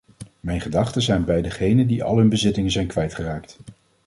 Mijn gedachten zijn bij degenen die al hun bezittingen zijn kwijtgeraakt.